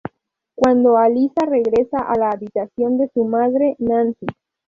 Cuando Alyssa regresa a la habitación de su madre, Nancy.